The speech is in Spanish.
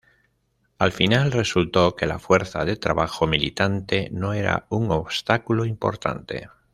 Al final resultó que, la fuerza de trabajo "militante" no era un obstáculo importante.